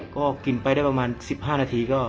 ก็กินไปได้ประมาณ๑๕นาทีก็